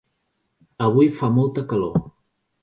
Avui fa molta calor.